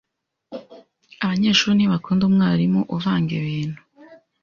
abanyeshuri ntibakunda umwarimu uvanga ibintu